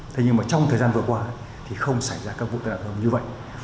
thế nhưng mà trong thời gian vừa qua thì không xảy ra các vụ tai nạn giao thông như vậy